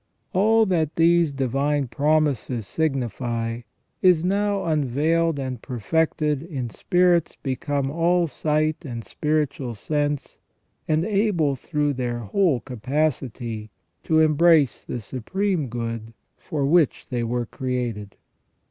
All that these divine promises signify is now unveiled and perfected, in spirits become all sight and spiritual sense, and able through their whole capacity to embrace the supreme good for which they were created.